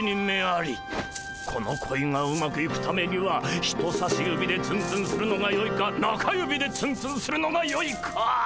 この恋がうまくいくためには人さし指でツンツンするのがよいか中指でツンツンするのがよいか。